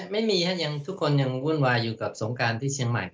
ไม่มีครับยังทุกคนยังวุ่นวายอยู่กับสงการที่เชียงใหม่